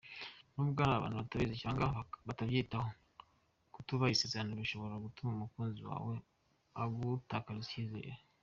Nubwo hari abantu batabizi cyangwa batabyitaho, kutubaha isezerano bishobora gutuma umukunzi wawe agutakariza icyizere.